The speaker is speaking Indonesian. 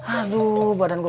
itu udah mohon